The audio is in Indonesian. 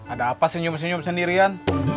ada apa senyum senyum sendirian